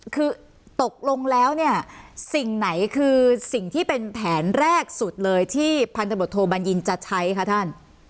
คือตกลงแล้วเนี่ยสิ่งไหนคือสิ่งที่เป็นแผนแรกสุดเลยที่พันธบทโทบัญญินจะใช้คะท่าน